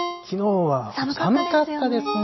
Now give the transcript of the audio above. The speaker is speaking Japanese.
きのうは寒かったですね。